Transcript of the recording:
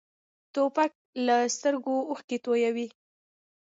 توپک له سترګو اوښکې تویوي.